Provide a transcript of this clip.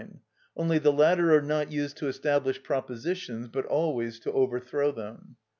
only the latter are not used to establish propositions, but always to overthrow them.